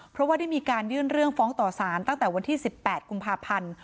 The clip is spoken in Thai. เพราะว่าได้มีการยื่นเรื่องฟ้องต่อสารตั้งแต่วันที่๑๘กุมภาพันธ์